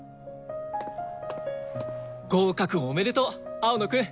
合格おめでとう青野くん。